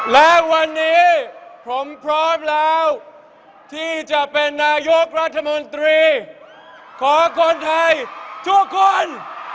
และวันนี้ผมพร้อมแล้วที่จะเป็นนายกรัฐมนตรีขอคนไทยทุกคน